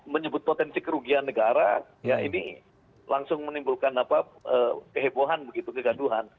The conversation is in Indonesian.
menyebut potensi kerugian negara ya ini langsung menimbulkan kehebohan begitu kegaduhan